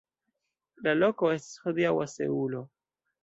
La loko estas hodiaŭa Seulo.